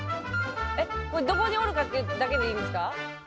えっこれどこにおるかっていうだけでいいですか？